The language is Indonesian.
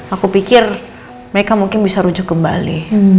aku pikir mereka mungkin bisa rujuk kembali